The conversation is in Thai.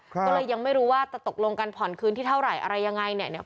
ก็เลยยังไม่รู้ว่าจะตกลงกันผ่อนคืนที่เท่าไหร่อะไรยังไงเนี่ย